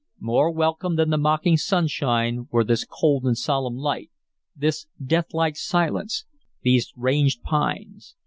More welcome than the mocking sunshine were this cold and solemn light, this deathlike silence, these ranged pines.